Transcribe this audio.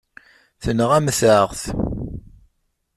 Tenɣamt-aɣ-t.